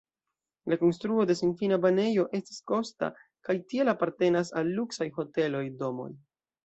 La konstruo de senfina banejo estas kosta kaj tiel apartenas al luksaj hoteloj, domoj.